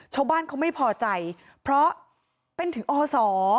ชาวบ้านเขาไม่พอใจเพราะเป็นถึงอศ